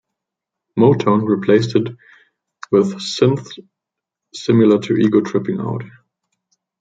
Motown replaced it with synths similar to Ego Tripping Out.